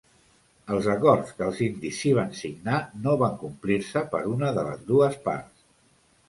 Els acords que els indis sí van signar no van complir-se per una de les dues parts.